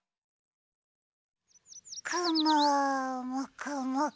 くももくもく。